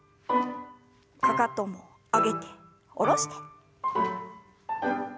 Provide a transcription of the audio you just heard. かかとも上げて下ろして。